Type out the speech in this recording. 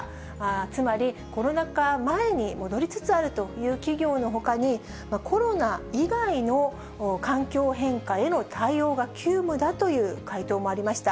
つまり、コロナ禍前に戻りつつあるという企業のほかに、コロナ以外の環境変化への対応が急務だという回答もありました。